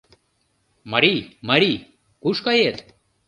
- Марий, марий, куш кает?